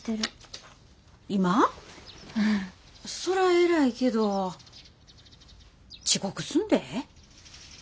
そら偉いけど遅刻すんで。